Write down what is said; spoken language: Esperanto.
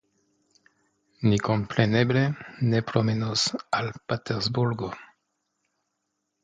Ni kompreneble ne promenos al Patersburgo.